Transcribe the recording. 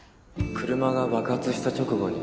車が爆発した直後に